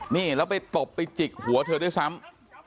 นี่แล้วไปตบไปจิกหัวเธอด้วยซ้ำ